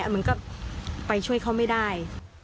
มันก็ไปช่วยเขาไม่ได้